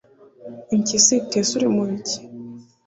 impyisi, iti " ese uri mu biki?"